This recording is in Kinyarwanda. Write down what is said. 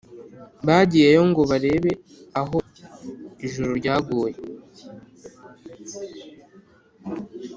bagiyeyo ngo barebe aho ijuru ryaguye